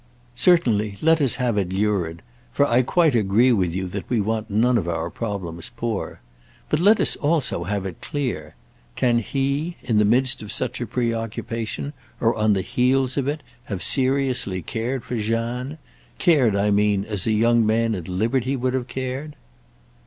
"Certainly, let us have it lurid—for I quite agree with you that we want none of our problems poor. But let us also have it clear. Can he, in the midst of such a preoccupation, or on the heels of it, have seriously cared for Jeanne?—cared, I mean, as a young man at liberty would have cared?"